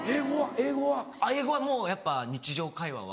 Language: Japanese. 英語はもうやっぱ日常会話は。